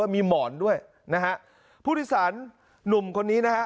มีหมอนด้วยนะฮะผู้โดยสารหนุ่มคนนี้นะฮะ